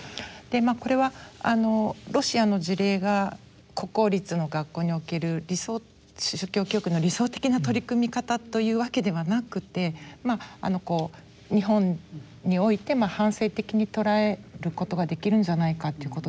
これはロシアの事例が国公立の学校における理想宗教教育の理想的な取り組み方というわけではなくて日本において反省的に捉えることができるんじゃないかっていうことですね。